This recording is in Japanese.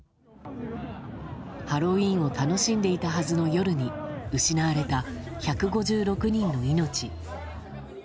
ハロウィーンを楽しんでいたはずの夜に失われた１５６人の命。